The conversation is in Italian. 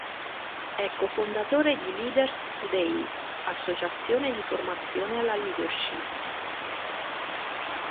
È cofondatore di Leaders Today, associazione di formazione alla leadership.